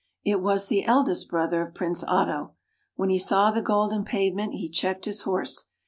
It was the eldest brother of Prince Otto. T^Tien he saw the golden pavement he checked his horse.